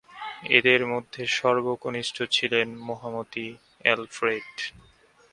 এঁদের মধ্যে সর্বকনিষ্ঠ ছিলেন মহামতি অ্যালফ্রেড।